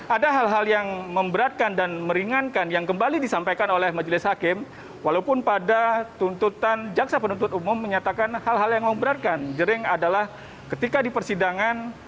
ada hal hal yang memberatkan dan meringankan yang kembali disampaikan oleh majelis hakim walaupun pada tuntutan jaksa penuntut umum menyatakan hal hal yang memberatkan jering adalah ketika di persidangan